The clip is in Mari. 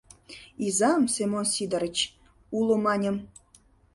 Изам, Семон Сидырыч, уло, — маньым.